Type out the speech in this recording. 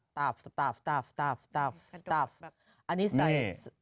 ตาแฟตาแฟตาแฟตาแฟอันนี้ใส่